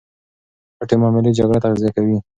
پټې معاملې جګړه تغذیه کوي.